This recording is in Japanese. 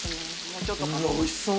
うわおいしそう！